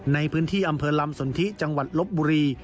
ในพื้นที่อำเภอลำสนทิจังหวัดลบบุรี